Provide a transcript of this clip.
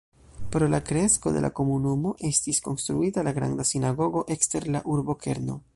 Pro la kresko de la komunumo estis konstruita la Granda sinagogo ekster la urbokerno.